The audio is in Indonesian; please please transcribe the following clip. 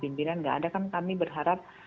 pimpinan nggak ada kan kami berharap